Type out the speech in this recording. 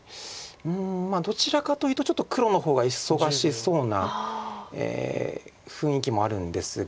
うんどちらかというとちょっと黒の方が忙しそうな雰囲気もあるんですが。